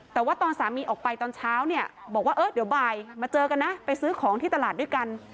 แต่ว่าตอนสามีออกไปตอนเช้าเนี่ยบอกว่าเออเดี๋ยวบ่ายมาเจอกันนะไปซื้อของที่ตลาดด้วยกัน